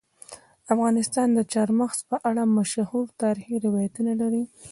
افغانستان د چار مغز په اړه مشهور تاریخی روایتونه لري.